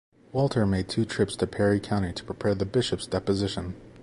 Walther made two trips to Perry County to prepare the Bishop's deposition.